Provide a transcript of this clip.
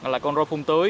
là con rôn phung tưới